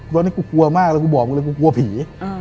ตอนนี้กูกลัวมากแล้วกูบอกมึงเลยกูกลัวผี